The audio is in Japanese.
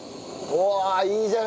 うわいいじゃない！